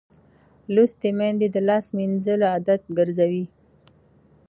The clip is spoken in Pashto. لوستې میندې د لاس مینځل عادت ګرځوي.